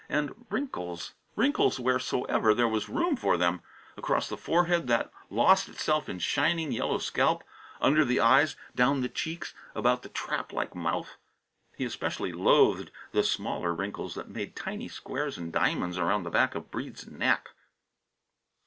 And wrinkles wrinkles wheresoever there was room for them: across the forehead that lost itself in shining yellow scalp; under the eyes, down the cheeks, about the traplike mouth. He especially loathed the smaller wrinkles that made tiny squares and diamonds around the back of Breede's neck.